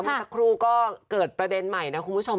เมื่อสักครู่ก็เกิดประเด็นใหม่นะคุณผู้ชม